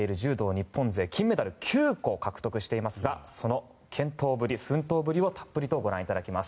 日本勢金メダル９個獲得していますがその健闘ぶり、奮闘ぶりをたっぷりご覧いただきます。